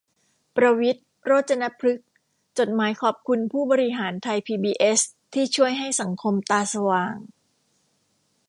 ประวิตร โรจนพฤกษ์ จดหมายขอบคุณผู้บริหารไทยพีบีเอสที่ช่วยให้สังคมตาสว่าง